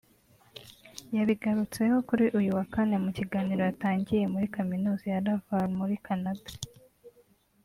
yabigarutseho kuri uyu wa Kane mu kiganiro yatangiye muri Kaminuza ya Laval muri Canada